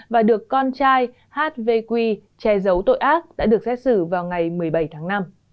và được con trai h v q che giấu tội ác đã được xét xử vào ngày một mươi bảy tháng năm